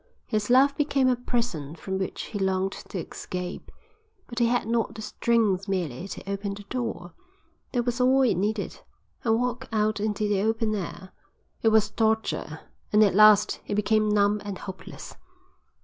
His love became a prison from which he longed to escape, but he had not the strength merely to open the door that was all it needed and walk out into the open air. It was torture and at last he became numb and hopeless.